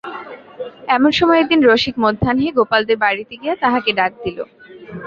এমন সময়ে একদিন রসিক মধ্যাহ্নে গোপালদের বাড়িতে গিয়া তাহাকে ডাক দিল।